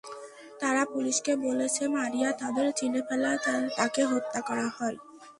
তারা পুলিশকে বলেছে, মারিয়া তাদের চিনে ফেলায় তাকে হত্যা করা হয়।